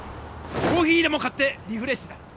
コーヒーでも買ってリフレッシュだ！